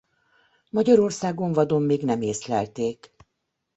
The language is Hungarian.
Magyarországon vadon még nem észlelték.